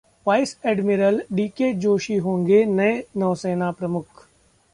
vice admiral D K Joshi होंगे नए नौसेना प्रमुख